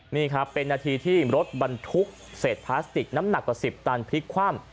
นี่ครับเป็นนาทีที่รถบรรทุกเศษพลาสติกน้ำหนักกว่า๑๐ตันพลิกคว่ำ